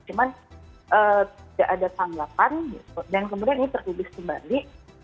cuman tidak ada tanggapan dan kemudian ini tertulis kembali